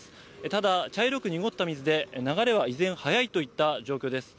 ただ茶色く濁った水で、流れは依然速いといった状況です。